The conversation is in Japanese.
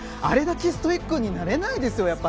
あれだけストイックになれないですよ。